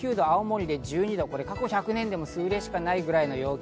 札幌で９度、青森で１２度、ここ１００年でも数例しかないぐらいの陽気。